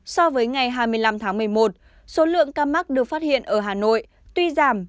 so với ngày hai mươi năm tháng một mươi một số lượng ca mắc được phát hiện ở hà nội tuy giảm